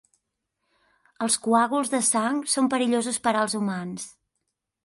Els coàguls de sang són perillosos per als humans.